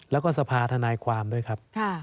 แล้วก็สภาธนายความด้วยครับ